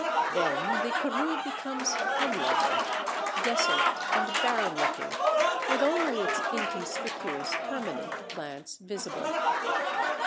Then the Karoo becomes unlovely, desolate, and barren looking, with only its inconspicuous permanent plants visible.